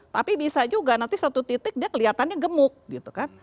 tapi bisa juga nanti satu titik dia kelihatannya gemuk gitu kan